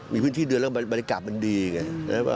มีพื้นที่เดือนแล้วบรรยากาศมันดีไง